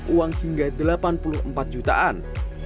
mereka meraup uang hingga rp delapan puluh empat jutaan